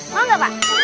mau enggak pak